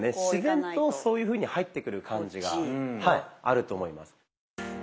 自然とそういうふうに入ってくる感じがあると思います。